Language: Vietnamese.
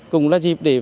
cùng với gia đình